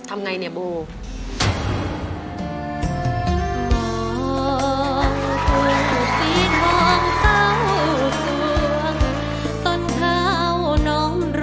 ทำไงเนี่ยโบ